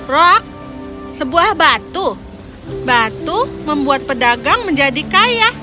rok sebuah batu batu membuat pedagang menjadi kaya